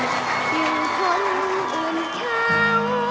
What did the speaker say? อยู่คนอื่นเขา